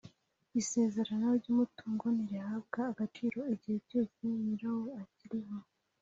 Isezerano ry umutungo ntirihabwa agaciro igihe cyose nyirawo akiriho